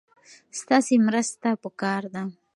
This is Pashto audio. ستاسې مرسته پکار ده.